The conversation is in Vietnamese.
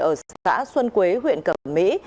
ở xã xuân quế huyện cẩm mỹ